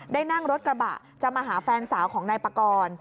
ได้นั่งรถกระบะจะมาหาแฟนสาวของนายปากร